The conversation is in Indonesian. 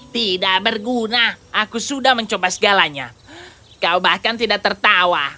tidak berguna aku sudah mencoba segalanya kau bahkan tidak tertawa